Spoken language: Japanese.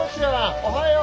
おはよう。